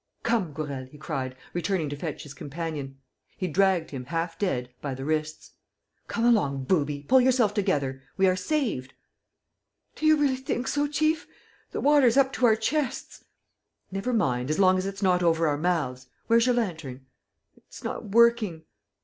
"Come, Gourel," he cried, returning to fetch his companion. He dragged him, half dead, by the wrists: "Come along, booby, pull yourself together! We are saved." "Do you really think so, chief? ... The water's up to our chests. ..." "Never mind, as long as it's not over our mouths. ... Where's your lantern?" "It's not working."